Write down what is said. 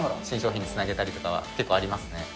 新商品につなげたりとか、結構ありますね。